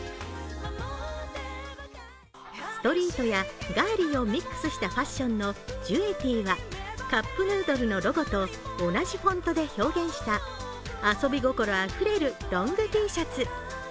ストリートやガーリーをミックスしたファッションのｊｏｕｅｔｉｅはカップヌードルのロゴと同じフォントで表現した、遊び心あふれるロングＴシャツ。